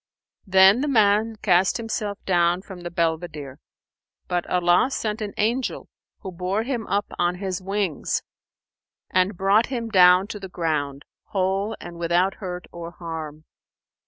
'" Then the man cast himself down from the belvedere; but Allah sent an angel who bore him up on his wings and brought him down to the ground, whole and without hurt or harm.